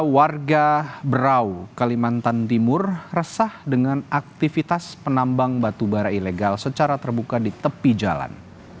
warga berau kalimantan timur resah dengan aktivitas penambang batubara ilegal secara terbuka di tepi jalan